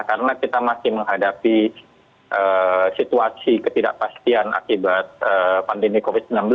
karena kita masih menghadapi situasi ketidakpastian akibat pandemi covid sembilan belas